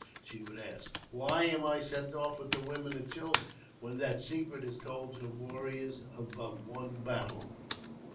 she would ask. " Why am I sent off with the women and children, when that secret is told the warriors of but one battle